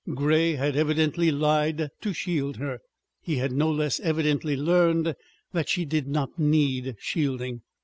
Grey had evidently lied to shield her. He had no less evidently learned that she did not need shielding.